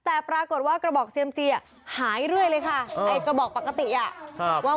แต่ปรากฏว่ากระบอกเซียมซีอ่ะหายเรื่อยเลยค่ะไอ้กระบอกปกติอ่ะ